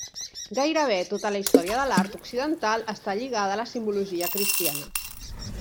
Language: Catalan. Gairebé tota la història de l'art occidental està lligada a la simbologia cristiana.